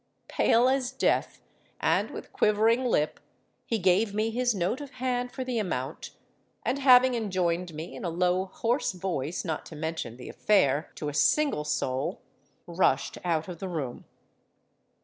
Pale as death, and with quivering lip, he gave me his note of hand for the amount; and having enjoined me in a low hoarse voice not to mention the affair to a single soul, rushed out of the room.